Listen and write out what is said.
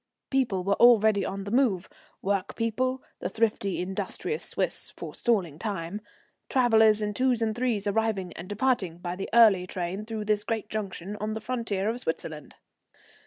People were already on the move, work people, the thrifty, industrious Swiss, forestalling time, travellers in twos and threes arriving and departing by the early train through this great junction on the frontier of Switzerland.